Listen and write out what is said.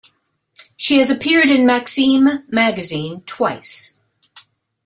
She has appeared in "Maxim" magazine twice.